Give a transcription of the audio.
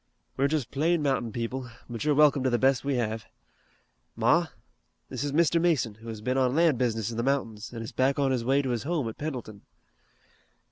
We're just plain mountain people, but you're welcome to the best we have. Ma, this is Mr. Mason, who has been on lan' business in the mountains, an' is back on his way to his home at Pendleton."